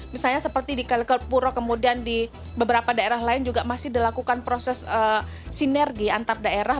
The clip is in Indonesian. misalnya seperti di kali kepuro kemudian di beberapa daerah lain juga masih dilakukan proses sinergi antar daerah